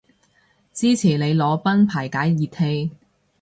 支持你裸奔排解熱氣